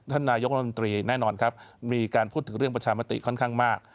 นายกรัฐมนตรีแน่นอนครับมีการพูดถึงเรื่องประชามติค่อนข้างมาก